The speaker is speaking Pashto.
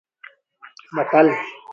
متل: